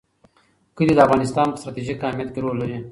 کلي د افغانستان په ستراتیژیک اهمیت کې رول لري.